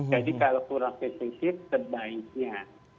jadi kalau kurang sensitif terbaiknya